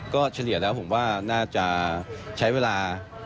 ก็เฉลี่ยแล้วผมว่าน่าจะใช้เวลา